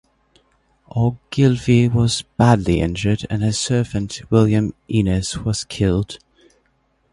Ogilvy was badly injured and his servant William Innes was killed.